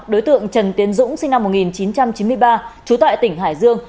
đối tượng trần tiến dũng sinh năm một nghìn chín trăm chín mươi ba trú tại tỉnh hải dương